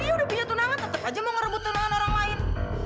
ya udah punya tunangan tetap aja mau ngerebut tunangan orang lain